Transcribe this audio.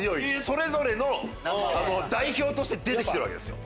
それぞれの代表として出てきてるわけですよ。